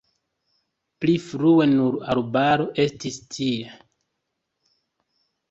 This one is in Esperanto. Pli frue nur arbaro estis tie.